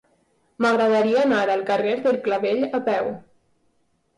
M'agradaria anar al carrer del Clavell a peu.